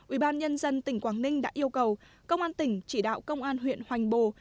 ubnd tỉnh quảng ninh đã yêu cầu công an tỉnh chỉ đạo công an huyện hoành bồ